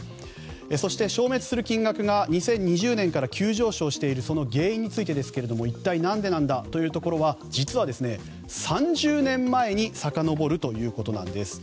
そして、消滅する金額が２０２０年から急上昇しているその原因について一体何でなんだというところは実は、３０年前にさかのぼるんです。